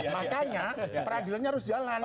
makanya peradilannya harus jalan